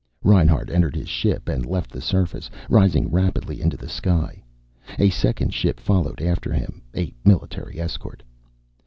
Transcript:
Reinhart entered his ship and left the surface, rising rapidly into the sky. A second ship followed after him, a military escort.